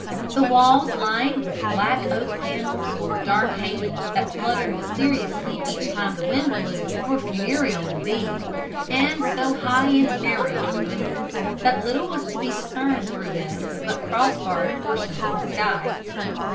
"The walls, lined with black oak panels, or dark hangings that fluttered mysteriously each time the wind blew, were funereal indeed; and so high and narrow were the windows, that little was to be discerned through them but cross barred portions of the sky.